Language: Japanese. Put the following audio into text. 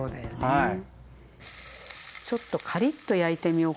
はい。